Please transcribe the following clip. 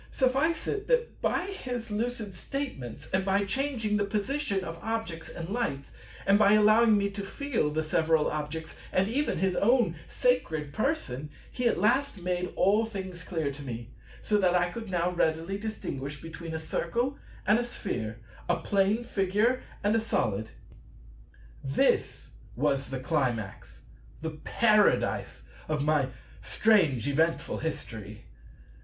Suffice it, that by his lucid statements, and by changing the position of objects and lights, and by allowing me to feel the several objects and even his own sacred Person, he at last made all things clear to me, so that I could now readily distinguish between a Circle and a Sphere, a Plane Figure and a Solid. This was the Climax, the Paradise, of my strange eventful History.